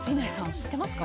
知ってますか？